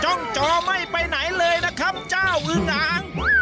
จ้องจอไม่ไปไหนเลยนะครับเจ้าอื้อหงาง